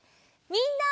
みんな！